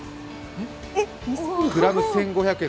グラム１５００円